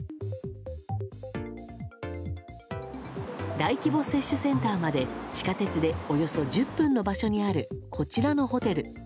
大規模接種センターまで地下鉄で、およそ１０分の場所にあるこちらのホテル。